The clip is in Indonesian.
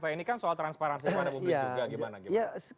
ini kan soal transparansi mana mungkin juga gimana